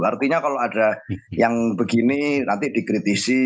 artinya kalau ada yang begini nanti dikritisi